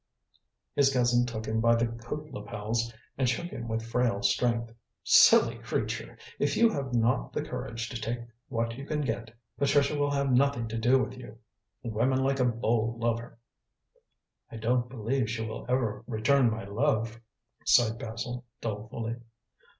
His cousin took him by the coat lapels and shook him with frail strength. "Silly creature! If you have not the courage to take what you can get, Patricia will have nothing to do with you. Women like a bold lover." "I don't believe she will ever return my love," sighed Basil dolefully.